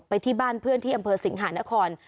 ที่บ้านเพื่อนที่อำเภอสิงหานคร